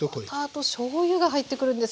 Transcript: あとしょうゆが入ってくるんですね。